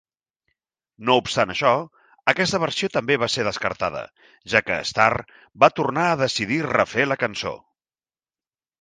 No obstant això, aquesta versió també va ser descartada, ja que Starr va tornar a decidir refer la cançó.